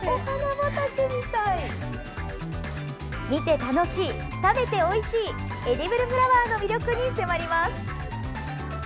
見て楽しい、食べておいしいエディブルフラワーの魅力に迫ります！